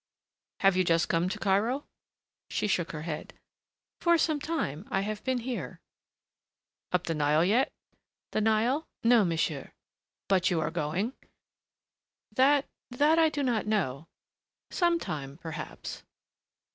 "Have you just come to Cairo?" She shook her head. "For some time I have been here." "Up the Nile yet?" "The Nile no, monsieur." "But you are going?" "That that I do not know. Sometime, perhaps."